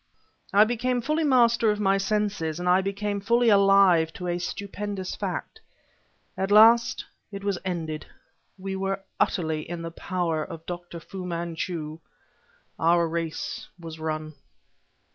I became fully master of my senses, and I became fully alive to a stupendous fact. At last it was ended; we were utterly in the power of Dr. Fu Manchu; our race was run.